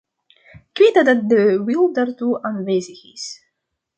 Ik weet dat de wil daartoe aanwezig is.